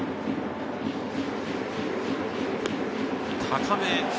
高め。